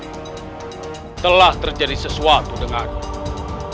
apakah telah terjadi sesuatu dengan dinda subanglar